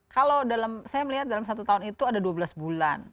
kalau saya melihat dalam satu tahun itu ada dua belas bulan